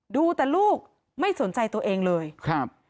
ดูแต่ลูกไม่สนใจตัวเองเลยครับ